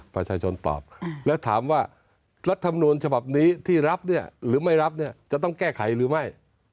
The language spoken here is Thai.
ประชาชนตอบแล้วถามว่ารัฐมนูลฉบับนี้ที่รับเนี่ยหรือไม่รับเนี่ยจะต้องแก้ไขหรือไม่